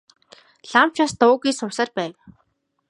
Лам ч бас дуугүй суусаар байв.